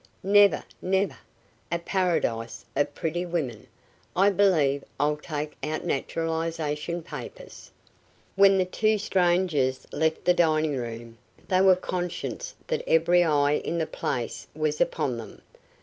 "Never, never! A paradise of pretty women. I believe I'll take out naturalization papers." When the two strangers left the dining room they were conscious that every eye in the place was upon them.